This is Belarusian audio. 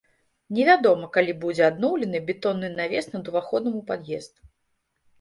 Невядома калі будзе адноўлены бетонны навес над уваходам у пад'езд.